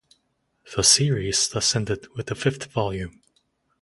The series thus ended with the fifth volume.